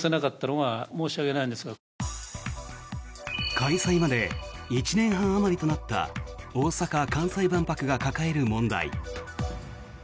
開催まで１年半あまりとなった大阪・関西万博が抱える問題。